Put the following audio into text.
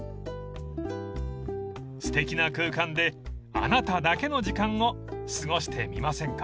［すてきな空間であなただけの時間を過ごしてみませんか？］